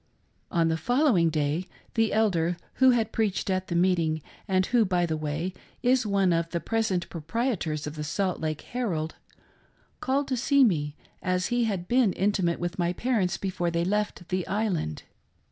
On the following day, the elder who had preached at the meeting, and who, by the way, is one of the present propri etors of the Salt Lake Herald, called to see me, as he had been intimate with my parents before they left the island.